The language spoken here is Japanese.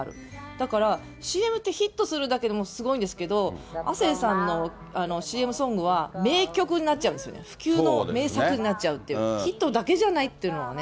だからＣＭってヒットするだけでもすごいんですけど、亜星さんのＣＭソングは、名曲になっちゃうんですよね、不朽の名作になっちゃうっていう、ヒットだけじゃないっていうのはね。